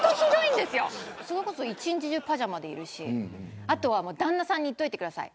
一日中パジャマでいるしあとは旦那さんに言っといてください。